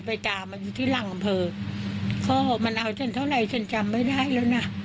เพราะมันเอาฉันเท่าไหร่ฉันจำไม่ได้แล้วนะ